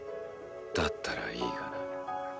だったらいいがな。